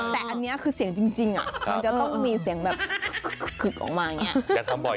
แต่อันนี้คือเสียงจริงมันจะต้องมีเสียงแบบขึกออกมาอย่างนี้